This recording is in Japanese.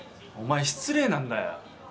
お前失礼なんだよ。